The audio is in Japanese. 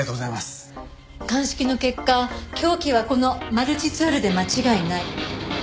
鑑識の結果凶器はこのマルチツールで間違いない。